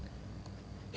vì rất là khó khăn